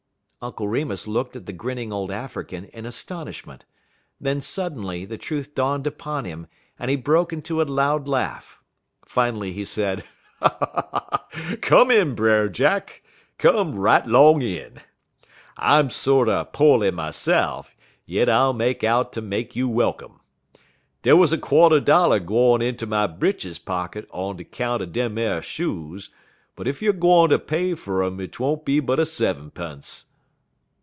Uncle Remus looked at the grinning old African in astonishment. Then suddenly the truth dawned upon him and he broke into a loud laugh. Finally he said: "Come in, Brer Jack! Come right 'long in. I'm sorter po'ly myse'f, yit I'll make out ter make you welcome. Dey wuz a quarter dollar gwine inter my britches pocket on de 'count er dem ar shoes, but ef youer gwine ter pay fer um 't won't be but a sev'mpunce."